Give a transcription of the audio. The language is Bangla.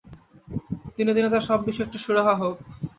দিনে দিনে তাঁর সব বিষয়ে একটু সুরাহা হোক।